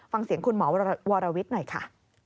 ฟังเสียงคุณหมอวรวิทย์หน่อยค่ะ